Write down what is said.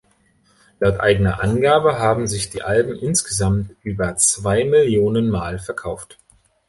Laut eigener Angabe haben sich die Alben insgesamt über zwei Millionen Mal verkauft.